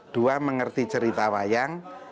dua mengerti cerita wayang